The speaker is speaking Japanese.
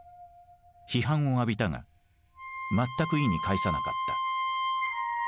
批判を浴びたが全く意に介さなかった。